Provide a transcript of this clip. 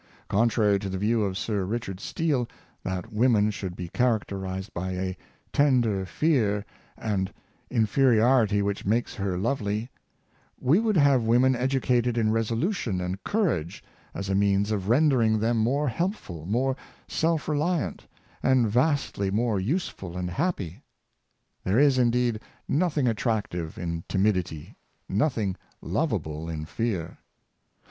Contrary to the view of Sir Richard Steele, that women should be characterized by a ''tender fear," and "an inferiority which makes her lovely," we would have women educated in resolution and courage, as a means of rendering them more helpful, more self reliant, and vastly more useful and happy. There is, indeed, nothing attractive in timidity, noth ing lovable in fear.